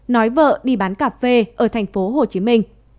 nói vợ đi bán cà phê ở thành phố hồ chí minh